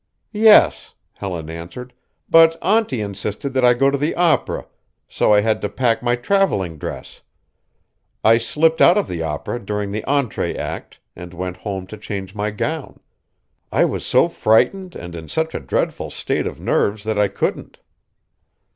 "Yes," Helen answered, "but auntie insisted that I go to the opera, so I had to pack my travelling dress. I slipped out of the opera during the entre act, and went home to change my gown. I was so frightened and in such a dreadful state of nerves that I couldn't."